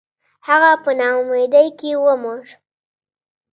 • هغه په ناامیدۍ کې ومړ.